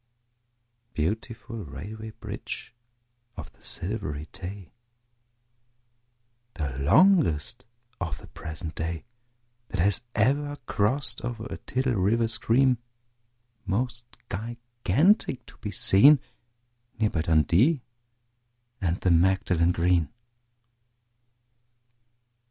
Beautiful Railway Bridge of the Silvery Tay! The longest of the present day That has ever crossed o'er a tidal river stream, Most gigantic to be seen, Near by Dundee and the Magdalen Green.